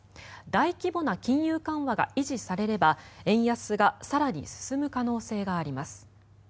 大規模な金融緩和が維持されれば円安が更に進む可能性があります。